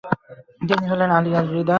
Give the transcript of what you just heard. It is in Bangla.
তিনি হলেন আলি আল-রিদা।